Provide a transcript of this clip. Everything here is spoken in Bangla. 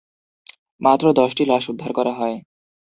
মাত্র দশটি লাশ উদ্ধার করা হয়।